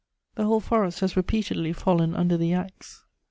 The whole forest has repeatedly fallen under the axe.